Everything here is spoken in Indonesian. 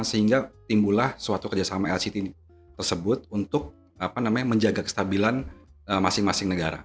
sehingga timbulah suatu kerjasama lct tersebut untuk menjaga kestabilan masing masing negara